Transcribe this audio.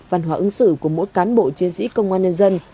văn hóa ứng xử của mỗi cán bộ chiến sĩ công an nhân dân